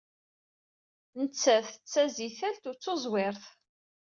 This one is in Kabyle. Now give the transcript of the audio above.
Nettat d tazitalt u tuẓwirt.